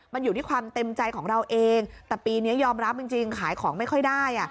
มันอยู่ที่ความเต็มใจของเราเองแต่ปีนี้ยอมรับจริงขายของไม่ค่อยได้